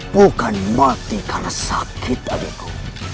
bukan mati karena sakit adikku